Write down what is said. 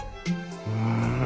うん。